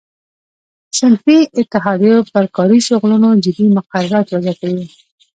صنفي اتحادیو پر کاري شغلونو جدي مقررات وضع کړي وو.